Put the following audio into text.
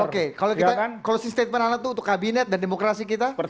oke kalau si statement anda tuh untuk kabinet dan demokrasi kita